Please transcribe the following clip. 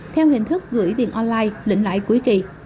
theo hình thức gửi tiền online lĩnh lãi cuối kỳ